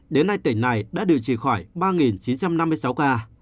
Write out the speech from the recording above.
đến nay tỉnh này đã điều trị khỏi ba chín trăm năm mươi sáu ca